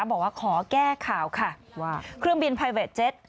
บอกว่าขอแก้ข่าวค่ะว่าเครื่องบินไพเวทเจ็ด